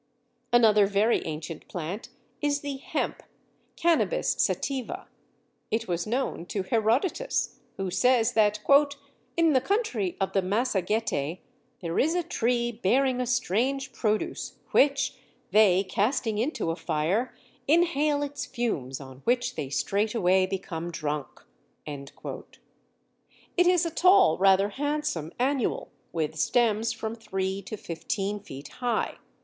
Another very ancient plant is the Hemp, Cannabis sativa. It was known to Herodotus, who says that "in the country of the Massagetæ there is a tree bearing a strange produce which they casting into a fire inhale its fumes on which they straightway become drunk." It is a tall, rather handsome annual, with stems from three to fifteen feet high.